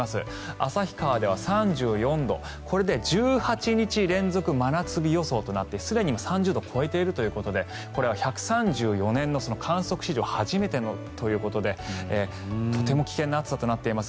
旭川では３４度これで１８日連続真夏日予想となってすでに３０度を超えているということでこれは１３４年の観測史上初めてということでとても危険な暑さとなっています。